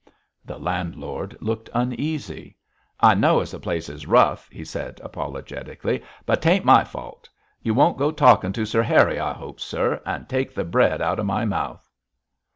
The landlord looked uneasy. 'I know as the place is rough,' he said apologetically, 'but 'tain't my fault. You won't go talking to Sir Harry, I hope, sir, and take the bread out of my mouth?'